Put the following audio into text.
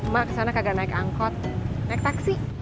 mak ke sana kagak naik angkot naik taksi